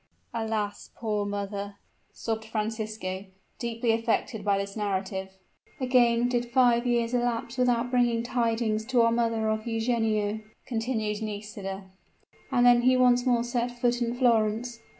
"Alas! poor mother!" sobbed Francisco, deeply affected by this narrative. "Again did five years elapse without bringing tidings to our mother of Eugenio," continued Nisida, "and then he once more set foot in Florence.